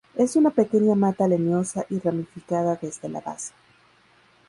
Es una pequeña mata leñosa y ramificada desde la base.